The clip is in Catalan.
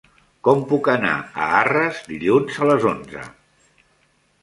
Com puc anar a Arres dilluns a les onze?